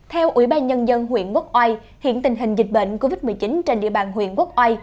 theo ủy ban nhân dân huyện quốc oai hiện tình hình dịch bệnh covid một mươi chín trên địa bàn huyện quốc oai